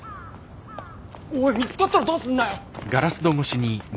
おい見つかったらどうすんだよ！